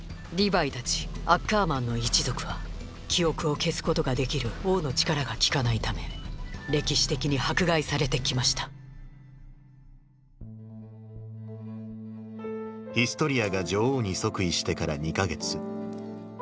リヴァイたちアッカーマンの一族は記憶を消すことができる王の力が効かないため歴史的に迫害されてきましたヒストリアが女王に即位してから２か月。